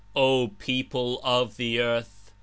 "O people of the earth